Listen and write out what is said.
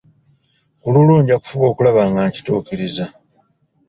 Ku lulwo nja kufuba okulaba nga nkituukiriza.